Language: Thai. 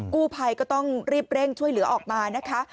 กู้ภัยก็ต้องรีบเร่งช่วยเหลือออกมานะคะ